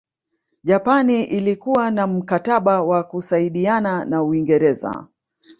Japani ilikuwa na mkataba wa kusaidana na Uingreza